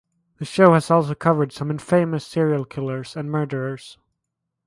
The show has also covered some infamous serial killers and murderers.